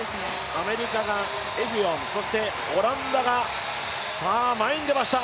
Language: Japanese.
アメリカがエフィオンそしてオランダが前に出ました。